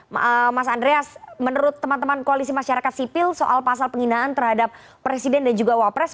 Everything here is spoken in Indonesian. mas andreas menurut teman teman koalisi masyarakat sipil soal pasal penghinaan terhadap presiden dan juga wapres